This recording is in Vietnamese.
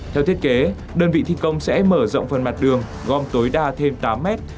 theo thiết kế đơn vị thi công sẽ mở rộng phần mặt đường gom tối đa thêm tám mét